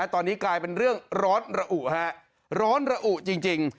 ตอนนี้กลายเป็นเรื่องร้อนระอุฮะร้อนระอุจริง